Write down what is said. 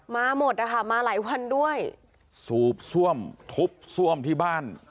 มาหมดนะคะมาหลายวันด้วยสูบซ่วมทุบซ่วมที่บ้าน